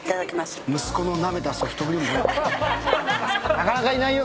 なかなかいないよ